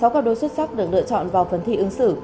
sáu cao đối xuất sắc được lựa chọn vào phần thi ứng xử